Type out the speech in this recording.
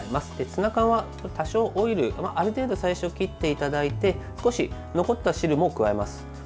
ツナ缶は多少オイル、ある程度最初切っていただいて少し残った汁を加えます。